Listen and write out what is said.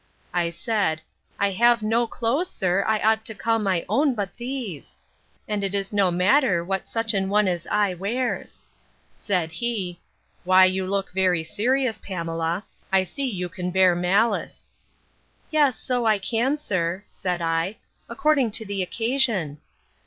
I said, I have no clothes, sir, I ought to call my own, but these: and it is no matter what such an one as I wears. Said he, Why you look very serious, Pamela. I see you can bear malice.—Yes, so I can, sir, said I, according to the occasion!